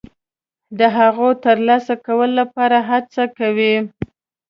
د هغو د ترلاسه کولو لپاره هڅه کوي.